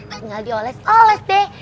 tinggal dioles oles deh